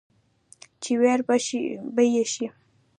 چې وېر به يې شي ،